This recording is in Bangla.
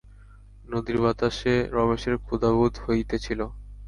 নদীর বাতাসে রমেশের ক্ষুধাবোধ হইতেছিল।